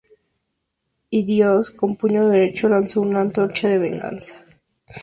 Y Dios, con puño derecho, lanzó una antorcha de venganza.